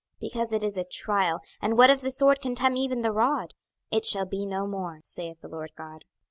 26:021:013 Because it is a trial, and what if the sword contemn even the rod? it shall be no more, saith the Lord GOD.